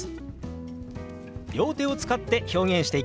両手を使って表現していきますよ。